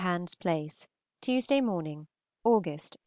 23 HANS PLACE, Tuesday morning (August, 1814).